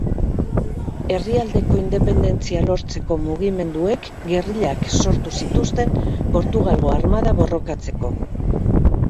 Herrialdeko independentzia lortzeko mugimenduek gerrillak sortu zituzten Portugalgo Armada borrokatzeko.